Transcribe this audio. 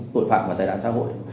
tội phạm và tài nạn xã hội